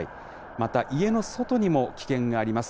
また家の外にも危険があります。